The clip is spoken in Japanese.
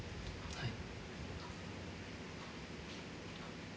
はい。